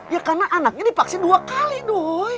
ya karena anaknya divaksin dua kali doy